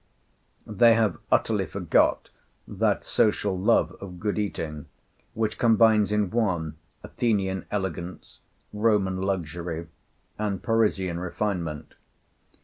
They have utterly forgot that social love of good eating which combines in one, Athenian elegance, Roman luxury, and Parisian refinement.